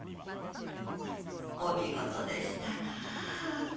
お見事でしたな。